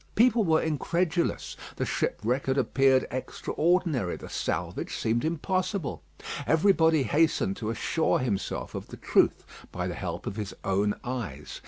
People were incredulous. The shipwreck had appeared extraordinary, the salvage seemed impossible. Everybody hastened to assure himself of the truth by the help of his own eyes.